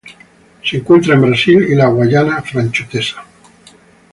Se encuentra en Brasil y la Guayana francesa.